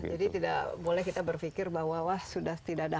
jadi tidak boleh kita berpikir bahwa sudah tidak ada